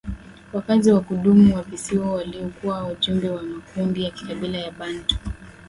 Wakazi wa kudumu wa visiwa walikuwa wajumbe wa makundi ya kikabila ya Bantu